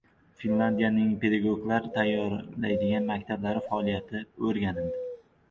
Finlyandiyaning pedagoglar tayyorlaydigan maktablari faoliyati o‘rganildi